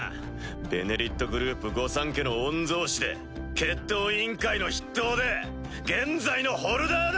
「ベネリット」グループ御三家の御曹司で決闘委員会の筆頭で現在のホルダーだ！